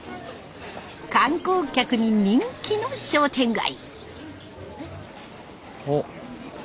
観光客に人気の商店街。